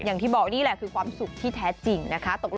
อย่างที่บอกนี่แหละคือความสุขที่แท้จริงนะคะ